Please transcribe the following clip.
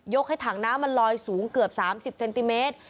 ให้ถังน้ำมันลอยสูงเกือบ๓๐เซนติเมตร